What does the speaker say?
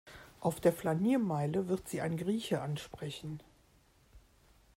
Auf der Flaniermeile wird Sie ein Grieche ansprechen.